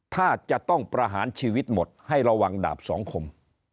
ถ้าจะต้องประหารชีวิตหมดให้ระวังดาบสองคม